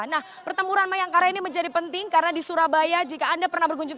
nah pertempuran mayangkara ini menjadi penting karena di surabaya jika anda pernah berkunjung